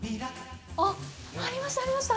あっ、ありました、ありました。